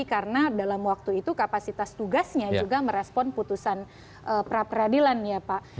karena dalam waktu itu kapasitas tugasnya juga merespon putusan pra peradilan ya pak